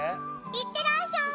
いってらっしゃーい。